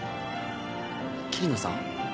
桐野さん？